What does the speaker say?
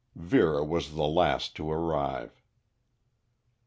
Vera was the last to arrive.